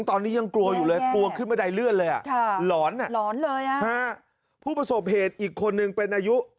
ตอนนี้ยังกลัวอยู่เลยกลัวขึ้นบันไดเลื่อนเลยอ่ะหลอนหลอนเลยผู้ประสบเหตุอีกคนนึงเป็นอายุ